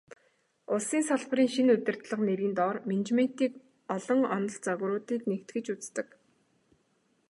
Улсын салбарын шинэ удирдлага нэрийн доор менежментийн олон онол, загваруудыг нэгтгэж үздэг.